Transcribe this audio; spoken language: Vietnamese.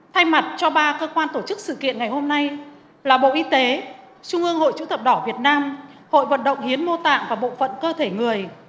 thay mặt cho ba cơ quan tổ chức sự kiện ngày hôm nay là bộ y tế trung ương hội chữ thập đỏ việt nam hội vận động hiến mô tạng và bộ phận cơ thể người